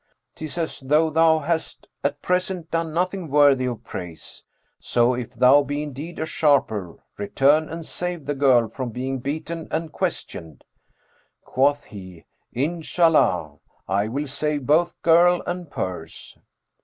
'Tis as though thou hast at present done nothing worthy of praise; so, if thou be indeed a sharper, return and save the girl from being beaten and questioned." Quoth he, ' Inshallah! I will save both girl and purse."